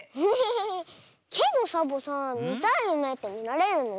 けどサボさんみたいゆめってみられるの？